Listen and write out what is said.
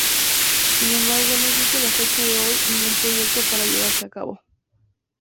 Sin embargo, no existe a fecha de hoy ningún proyecto para llevarse a cabo.